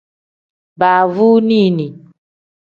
Baavunini.